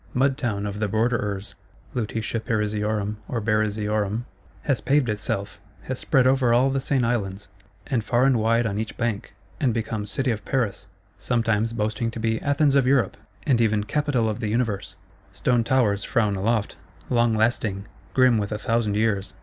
Mud Town of the Borderers (Lutetia Parisiorum or Barisiorum) has paved itself, has spread over all the Seine Islands, and far and wide on each bank, and become City of Paris, sometimes boasting to be "Athens of Europe," and even "Capital of the Universe." Stone towers frown aloft; long lasting, grim with a thousand years.